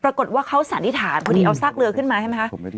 ปรากฏว่าเขาสันนิษฐานพอดีเอาซากเรือขึ้นมาใช่ไหมคะ